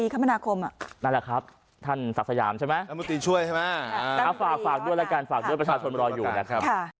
ครับท่านศักดิ์สยามใช่ไหมธรรมดีช่วยใช่ไหมธรรมดีฝากด้วยรายการฝากด้วยประชาชนมารออยู่นะครับค่ะ